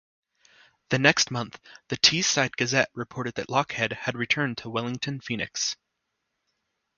The next month, the Teesside Gazette reported that Lochhead had returned to Wellington Phoenix.